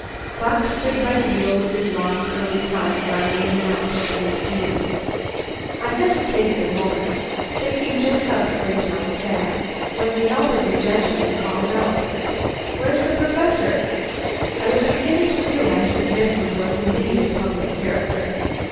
Bock stood by the wheel with his long, curly tongue running in and out over his teeth. I hesitated a moment, thinking just how to phrase my attack, when the elderly gentleman called out: "Where's the Professor?" I was beginning to realize that Mifflin was indeed a public character.